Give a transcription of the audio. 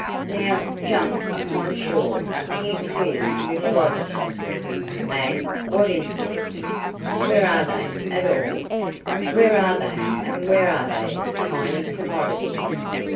"Now, jump upon shore, ye queer little oddities. (Eh, what is this? ... where are they, at all? Where are they, and where are their tiny commodities?